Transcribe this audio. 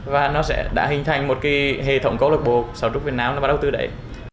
và nó sẽ đã hình thành một cái hệ thống câu lạc bồ sáo trúc việt nam nó đã đầu tư đấy